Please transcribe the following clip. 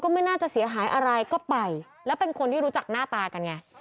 ไม่น่าจะเสียหายอะไรก็ไปแล้วเป็นคนที่รู้จักหน้าตากันไง